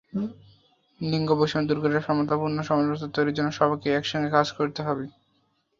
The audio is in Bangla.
লিঙ্গবৈষম্য দূর করে সমতাপূর্ণ সমাজব্যবস্থা তৈরির জন্য সবাইকে একসঙ্গে কাজ করতে হবে।